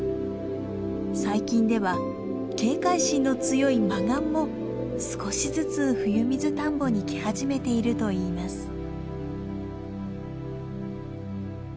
最近では警戒心の強いマガンも少しずつふゆみずたんぼに来始めているといいます。